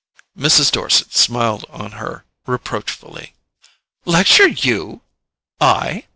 Mrs. Dorset smiled on her reproachfully. "Lecture you—I?